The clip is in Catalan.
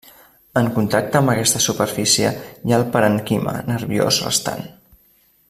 En contacte amb aquesta superfície hi ha el parènquima nerviós restant.